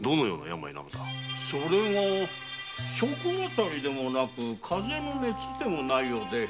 それが食あたりでもなく風邪の熱でもないようで。